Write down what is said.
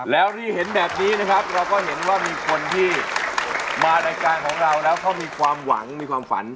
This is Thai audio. แล้วที่เห็นแบบนี้นะครับเราก็เห็นว่ามีคนที่มารายการของเราแล้วเขามีความหวังมีความฝัน